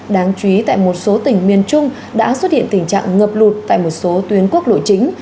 đáng chú ý tại một số tỉnh miền trung đã xuất hiện tình trạng ngập lụt tại một số tuyến quốc lộ chính